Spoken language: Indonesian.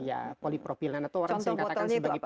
ya polipropilen itu orang sering katakan sebagai pp